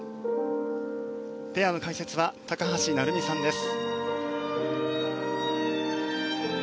ペアの解説は高橋成美さんです。